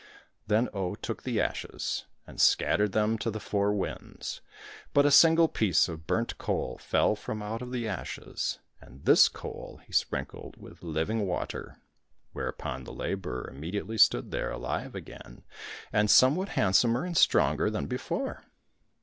Then Oh took the ashes and scattered them to the four winds, but a single piece of burnt coal fell from out of the ashes, and this coal he sprinkled with living water, whereupon the labourer immediately stood there alive again and somewhat handsomer and stronger than before.